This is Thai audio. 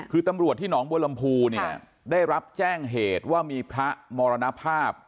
คือตำรวจที่หนองบัวลำพูเนี่ยได้รับแจ้งเหตุว่ามีพระมรณภาพ